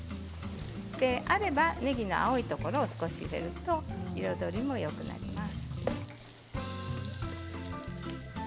あれば、ねぎの青いところを少し入れると彩りもよくなります。